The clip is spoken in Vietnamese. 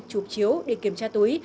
chụp chiếu để kiểm tra túi